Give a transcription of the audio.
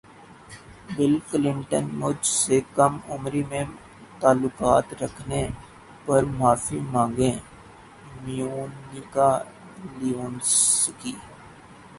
بل Clinton مجھ سے کم عمری میں تعلقات رکھنے پر معافی مانگیں مونیکا لیونسکی